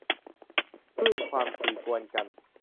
คลื่นความถี่กวนกัน